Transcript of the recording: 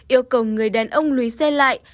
yêu cầu người đàn ông lùi xe lại